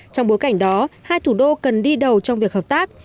trong bối cảnh đó hai thủ đô cần đi đầu trong việc hợp tác